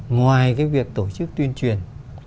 ngoài cái việc tổ chức tuyên truyền